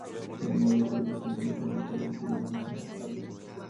Sin embargo, todos los caminos principales estuvieron transitables.